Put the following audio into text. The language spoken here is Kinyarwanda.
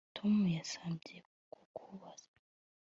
Tom yansabye kukubaza